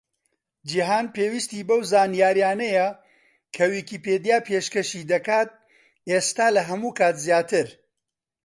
جیهان پێویستی بەو زانیاریانەیە کە ویکیپیدیا پێشکەشی دەکات، ئێستا لە هەموو کات زیاتر.